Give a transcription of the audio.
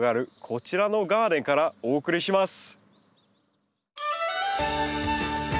こちらのガーデンからお送りします。